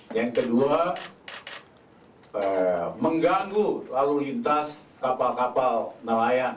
yang kedua mengganggu lalu lintas kapal kapal nelayan